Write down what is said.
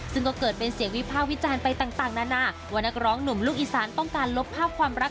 ซึ่งก็เกิดเป็นเสียงวิพากษ์วิจารณ์ไปต่างนานาว่านักร้องหนุ่มลูกอีสานต้องการลบภาพความรัก